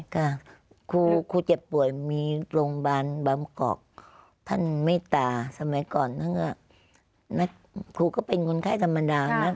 ครูเจ็บป่วยมีโรงพยาบาลบังกกพันธุ์เมตตาสมัยก่อนครูก็เป็นคนไข้ธรรมดานะ